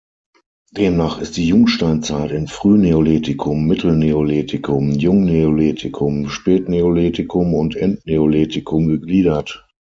Demnach ist die Jungsteinzeit in Frühneolithikum, Mittelneolithikum, Jungneolithikum, Spätneolithikum und Endneolithikum gegliedert.